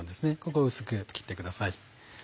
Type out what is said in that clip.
ここを薄く切ってください。